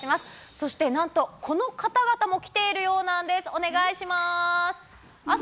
そしてなんと、この方々も来ているようなんです。